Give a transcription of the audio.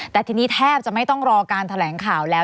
แต่ทีนี้แทบจะไม่ต้องรอการแถลงข่าวแล้ว